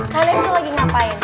kalian tuh lagi ngapain